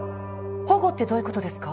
保護ってどういうことですか？